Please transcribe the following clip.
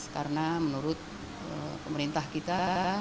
karena menurut pemerintah kita